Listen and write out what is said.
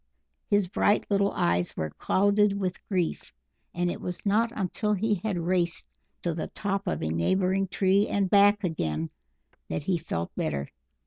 His bright little eyes were clouded with grief, and it was not until he had raced to the top of a neighbouring tree and back again that he felt better.